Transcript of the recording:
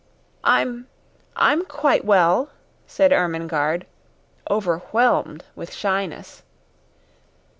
"I'm I'm quite well," said Ermengarde, overwhelmed with shyness.